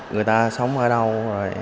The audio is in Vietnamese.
người ta sống ở đâu